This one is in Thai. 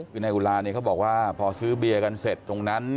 คือนายอุลาเนี่ยเขาบอกว่าพอซื้อเบียร์กันเสร็จตรงนั้น